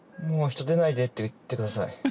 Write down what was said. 「もう人出ないで」って言ってください。